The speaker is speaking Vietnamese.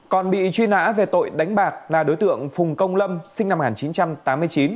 còn bị truy nã về tội đánh bạc là đối tượng phùng công lâm sinh năm một nghìn chín trăm tám mươi chín